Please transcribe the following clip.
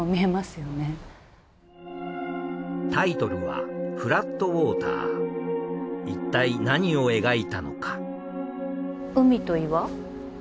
タイトルはいったい何を描いたのか？